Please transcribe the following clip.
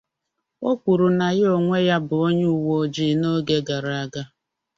O kwuru na ya onwe ya bụ onye uwe ojii n'oge gara aga